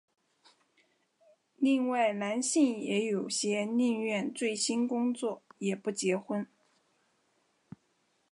另外男性也有些宁愿醉心工作也不结婚。